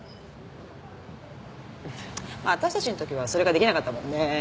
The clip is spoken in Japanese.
私たちの時はそれができなかったもんね。